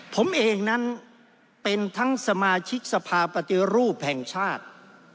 ผมเองนั้นเป็นทั้งสมาชิกสภาปฏิรูปแห่งชาติ